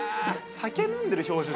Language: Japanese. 酒飲んでる表情。